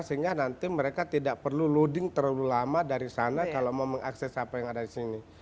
sehingga nanti mereka tidak perlu loading terlalu lama dari sana kalau mau mengakses apa yang ada di sini